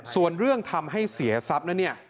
ส่วนเรื่องทำให้เสียทรัพย์นั้นเนี่ย